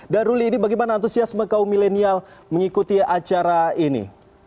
dan ruli ini bagaimana antusiasme kaum milenial mengikuti acara ini